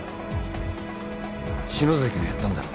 篠崎がやったんだろ？